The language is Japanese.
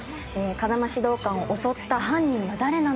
風間指導官を襲った犯人は誰なのか。